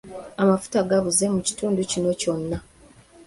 Amafuta gabuze mu kitundu kino kyonna.